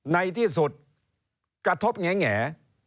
ในที่สุดกระทบแง่